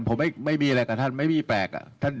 ผมไม่มีอะไรกับท่านไม่มีแปลก